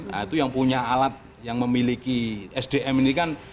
nah itu yang punya alat yang memiliki sdm ini kan